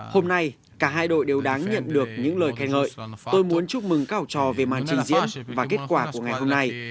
hôm nay cả hai đội đều đáng nhận được những lời khen ngợi tôi muốn chúc mừng các học trò về màn trình diễn và kết quả của ngày hôm nay